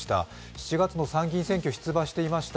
７月の参議院選挙、出馬していました。